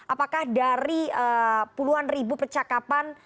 apakah dari puluhan ribu percakapan